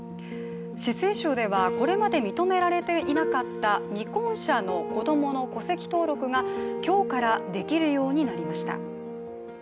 四川省ではこれまで認められていなかった未婚者の子供の戸籍登録が今日からできるようになりました。